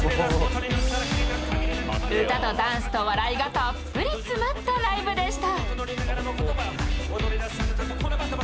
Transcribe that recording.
歌とダンスを笑いがたっぷり詰まったライブでした。